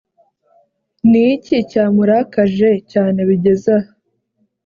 ni iki cyamurakaje cyane bigeze aha?»